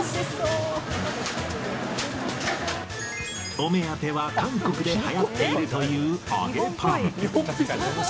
お目当ては、韓国ではやっているという揚げパン。